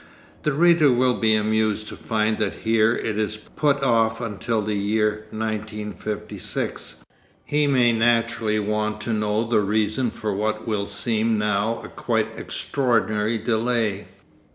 The reader will be amused to find that here it is put off until the year 1956. He may naturally want to know the reason for what will seem now a quite extraordinary delay.